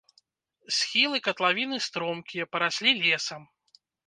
Схілы катлавіны стромкія, параслі лесам.